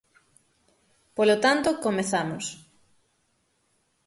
Polo tanto, comezamos.